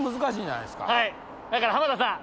だから浜田さん。